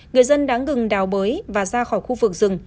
người dân đã ngừng đào bới và ra khỏi khu vực rừng